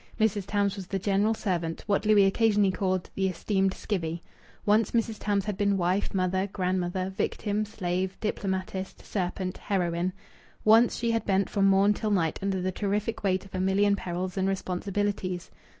Mrs. Tams was the general servant; what Louis occasionally called "the esteemed skivvy." Once Mrs. Tams had been wife, mother, grandmother, victim, slave, diplomatist, serpent, heroine. Once she had bent from morn till night under the terrific weight of a million perils and responsibilities.